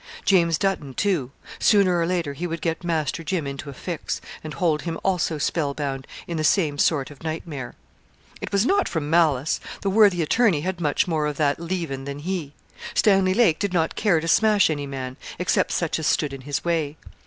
James Dutton, too. Sooner or later he would get Master Jim into a fix, and hold him also spell bound in the same sort of nightmare. It was not from malice. The worthy attorney had much more of that leaven than he. Stanley Lake did not care to smash any man, except such as stood in his way.